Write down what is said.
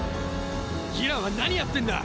ギラは何やってんだ！？